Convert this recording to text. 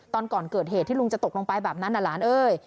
ตอนก่อนเกิดเหตุที่ลุงจะตกลงไปแบบนั้นน่ะหลานเอ้ย